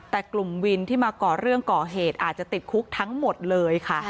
แต่กลุ่มวินที่มาก่อเรื่องก่อเหตุอาจจะติดคุกทั้งหมดเลยค่ะ